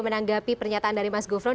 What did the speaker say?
menanggapi pernyataan dari mas gufron